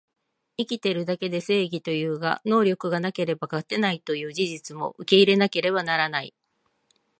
生きてるだけで正義というが、能力がなければ勝てないという事実も受け入れなければならない